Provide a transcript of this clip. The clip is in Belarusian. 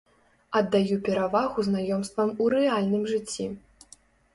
Аддаю перавагу знаёмствам у рэальным жыцці.